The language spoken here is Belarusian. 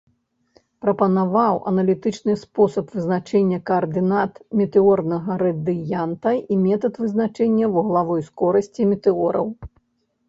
Прапанаваў аналітычны спосаб вызначэння каардынат метэорнага радыянта і метад вызначэння вуглавой скорасці метэораў.